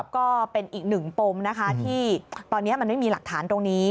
ก็เป็นอีกหนึ่งปมนะคะที่ตอนนี้มันไม่มีหลักฐานตรงนี้